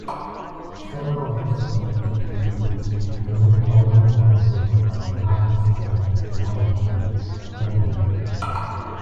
Several researchers contributed to the growing body of knowledge about atmospheric electrical phenomena.